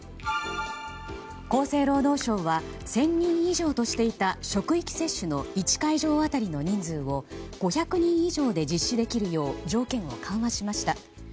厚生労働省は１０００人以上としていた職域接種の１会場当たりの人数を５００人以上で実施できるよう条件を緩和しました。